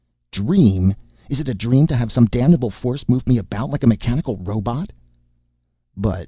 "Dream! Is it a dream to have some damnable force move me about like a mechanical robot?" "But....